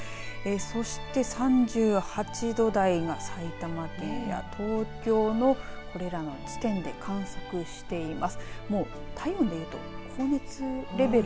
そして３８度台が埼玉県や東京のこれらの地点で観測しています。